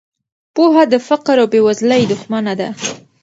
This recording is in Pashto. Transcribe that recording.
پوهه د فقر او بې وزلۍ دښمنه ده.